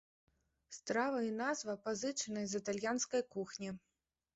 Страва і назва пазычаныя з італьянскай кухні.